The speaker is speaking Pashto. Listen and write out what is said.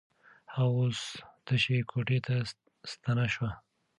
هغه اوس تشې کوټې ته ستنه شوه.